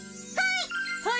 はい！